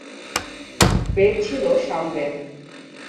বেদ ছিল সামবেদ।